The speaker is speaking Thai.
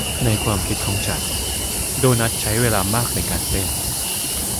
ในความคิดของฉันโดนัทใช้เวลามากในการเต้น